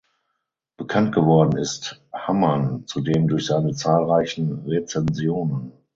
Bekannt geworden ist Hammann zudem durch seine zahlreichen Rezensionen.